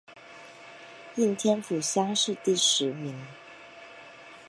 应天府乡试第十名。